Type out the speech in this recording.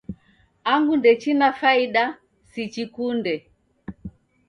Angu ndechina faida sichikunde.